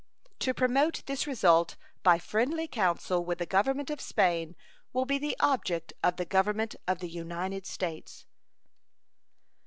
To promote this result by friendly counsel with the Government of Spain will be the object of the Government of the United States.